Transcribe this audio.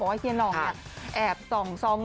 บอกว่าเฮียหนองอยากแอบส่องซอง